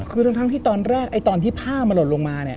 คือทั้งที่ตอนแรกตอนที่ผ้ามันหล่นลงมาเนี่ย